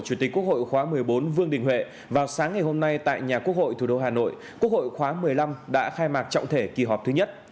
chủ tịch quốc hội khóa một mươi bốn vương đình huệ vào sáng ngày hôm nay tại nhà quốc hội thủ đô hà nội quốc hội khóa một mươi năm đã khai mạc trọng thể kỳ họp thứ nhất